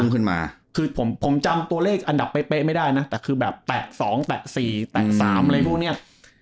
ขึ้นมาคือผมผมจำตัวเลขอันดับเป๊ะไม่ได้นะแต่คือแบบแตะ๒แตะ๔แตะ๓อะไรพวกเนี้ย